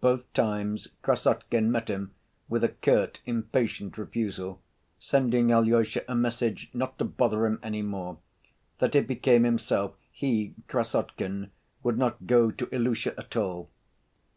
Both times Krassotkin met him with a curt, impatient refusal, sending Alyosha a message not to bother him any more, that if he came himself, he, Krassotkin, would not go to Ilusha at all.